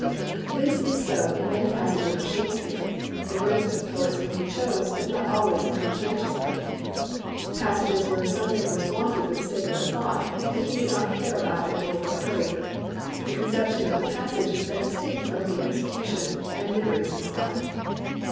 This is so in many passages of Shakespeare (the greatest of poets when he chose, but not always a conscientious poet); passages where something was wanted for the sake of the plot, but he did not care about it or was hurried. The conception of the passage is then distinct from the execution, and neither is inspired.